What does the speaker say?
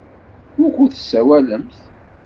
Wukud tessawalemt?